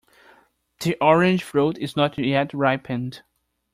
The orange fruit is not yet ripened.